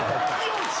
よし。